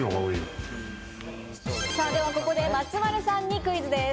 ここで松丸さんにクイズです。